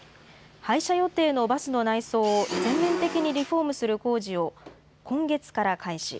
廃車予定のバスの内装を全面的にリフォームする工事を、今月から開始。